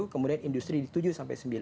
kemudian industri tujuh sampai sembilan